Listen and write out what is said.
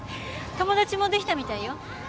友達もできたみたいよ。